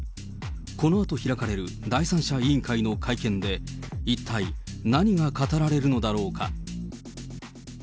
このあと開かれる第三者委員会の会見で、一体何が語られるのだろうか。